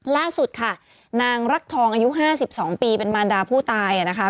ล่าสุดค่ะนางรักทองอายุ๕๒ปีเป็นมารดาผู้ตายนะคะ